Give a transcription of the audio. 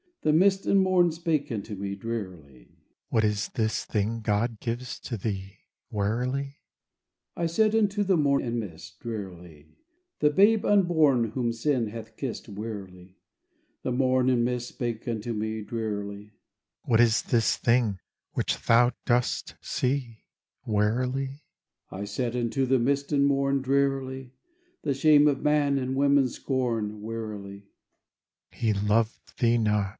The mist and morn spake unto me, Drearily: "What is this thing God gives to thee, Wearily?" I said unto the morn and mist, Drearily: "The babe unborn whom sin hath kissed, Wearily." The morn and mist spake unto me, Drearily: "What is this thing which thou dost see, Wearily?" I said unto the mist and morn, Drearily: "The shame of man and woman's scorn, Wearily."